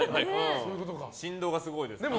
振動がすごいですから。